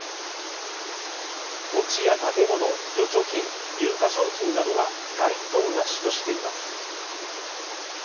土地や建物、預貯金有価証券などは該当なしとしています。